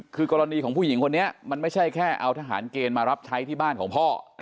คือกรณีของผู้หญิงคนนี้มันไม่ใช่แค่เอาทหารเกณฑ์มารับใช้ที่บ้านของพ่อ